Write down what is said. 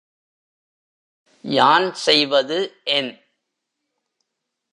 யான் செய்வது என்?